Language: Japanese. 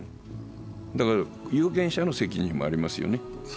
有権者の責任もありますよね。